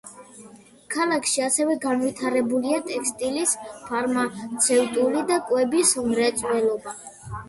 ქალაქში ასევე განვითარებულია ტექსტილის, ფარმაცევტული და კვების მრეწველობა.